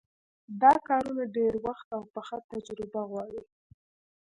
دا کارونه ډېر وخت او پخه تجربه غواړي.